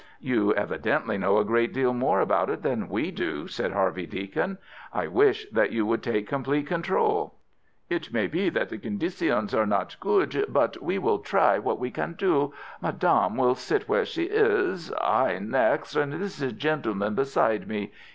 "You evidently know a great deal more about it than we do," said Harvey Deacon; "I wish that you would take complete control." "It may be that the conditions are not good. But we will try what we can do. Madame will sit where she is, I next, and this gentleman beside me.